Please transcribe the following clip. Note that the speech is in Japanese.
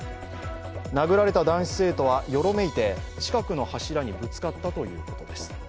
殴られた男子生徒はよろめいて近くの柱にぶつかったということです。